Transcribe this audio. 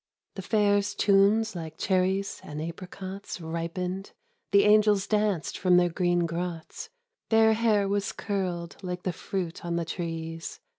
" The Fair's tunes like cherries and apricots Ripened; the angels danced from their green grots; Their hair was curled like the fruit on the trees.